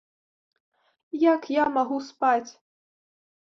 Як я магу спаць?